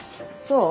そう？